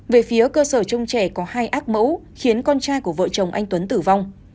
về phía cơ sở trông trẻ có hai ác mẫu khiến con trai của vợ chồng anh tuấn tử vong